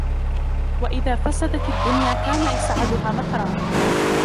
وَإِذَا فَسَدَتْ الدُّنْيَا كَانَ إسْعَادُهَا مَكْرًا